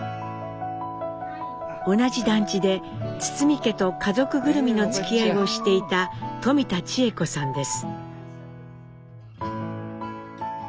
同じ団地で堤家と家族ぐるみのつきあいをしていた冨田千恵子さんです。